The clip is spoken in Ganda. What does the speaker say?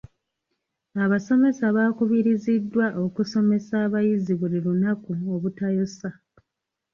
Abasomesa baakubiriziddwa okusomesa abayizi buli lunaku obutayosa.